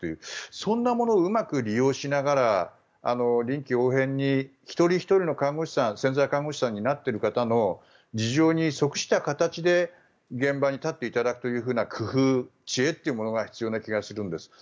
そんなものをうまく利用しながら臨機応変に一人ひとりの看護師さん潜在看護師さんになっている方の事情に即した形で現場に立っていただくという工夫、知恵というものが必要な気がするんです。